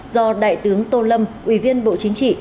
do đại tướng tô lâm ủy viên bộ chính trị